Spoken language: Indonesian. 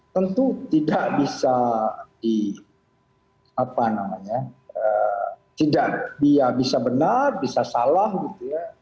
tentu tidak bisa di apa namanya tidak bisa benar bisa salah gitu ya